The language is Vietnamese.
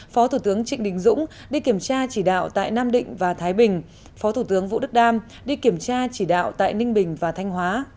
phó thủ tướng trịnh đình dũng đi kiểm tra chỉ đạo tại nam định và thái bình phó thủ tướng vũ đức đam đi kiểm tra chỉ đạo tại ninh bình và thanh hóa